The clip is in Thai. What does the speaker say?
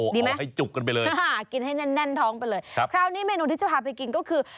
ดีไหมกินให้แน่นท้องไปเลยคราวนี้เมนูที่จะพาไปกินก็คือ